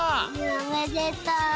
おめでとう！